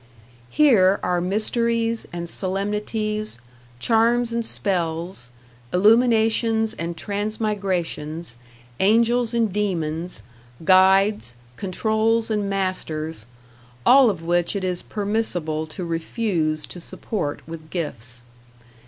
Here are mysteries and solemnities, charms and spells, illuminations and transmigrations, angels and demons, guides, controls and masters all of which it is permissible to refuse to support with gifts.